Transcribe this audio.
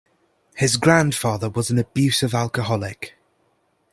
His grandfather was an abusive alcoholic.